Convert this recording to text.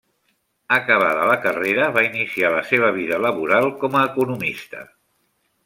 Acabada la carrera va iniciar la seva vida laboral com a economista.